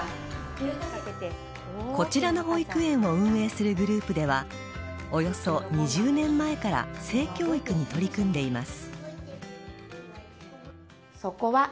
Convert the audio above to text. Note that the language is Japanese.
こちらの保育園を運営するグループではおよそ２０年前から性教育に取り組んでいます。